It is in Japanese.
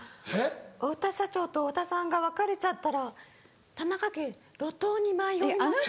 太田社長と太田さんが別れちゃったら田中家路頭に迷いますよ。